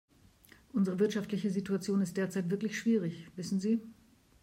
Unsere wirtschaftliche Situation ist derzeit wirklich schwierig, wissen Sie.